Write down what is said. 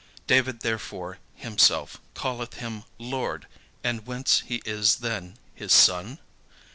"' David therefore himself calleth him 'Lord'; and whence is he then his son?"